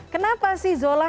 kenapa sih zola